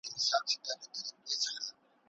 په ناول کې پخوانۍ اصطلاحات کارول شوي دي.